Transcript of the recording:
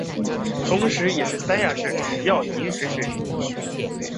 同时也是三亚市主要饮用水水源地。